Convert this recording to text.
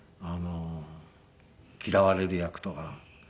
嫌われる役とかあとは。